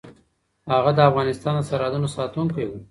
هغه د افغانستان د سرحدونو ساتونکی و.